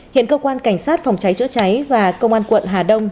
hiện cơ quan cảnh sát phòng cháy chữa cháy và công an quận hà đông